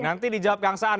nanti dijawab kang saan